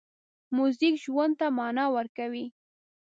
موزیک ژوند ته مانا ورکوي.